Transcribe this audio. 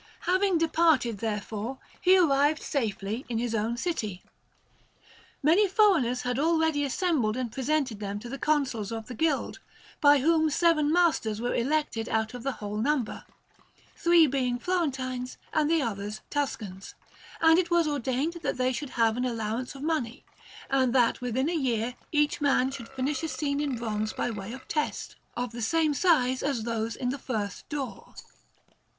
Having departed, therefore, he arrived safely in his own city. Many foreigners had already assembled and presented themselves to the Consuls of the Guild, by whom seven masters were elected out of the whole number, three being Florentines and the others Tuscans; and it was ordained that they should have an allowance of money, and that within a year each man should finish a scene in bronze by way of test, of the same size as those in the first door.